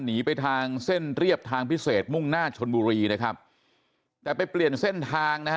หนีไปทางเส้นเรียบทางพิเศษมุ่งหน้าชนบุรีนะครับแต่ไปเปลี่ยนเส้นทางนะฮะ